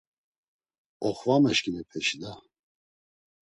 Oxvame şǩimepeşi da!